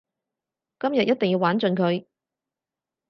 今日一定要玩盡佢